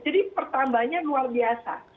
jadi pertambahannya luar biasa